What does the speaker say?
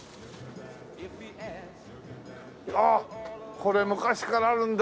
これ昔からあるんだよ。